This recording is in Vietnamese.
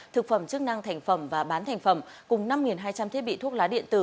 thực phẩm chức năng thành phẩm và bán thành phẩm cùng năm hai trăm linh thiết bị thuốc lá điện tử